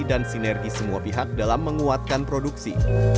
dan sinergi semua pihak dalam menguatkan produksi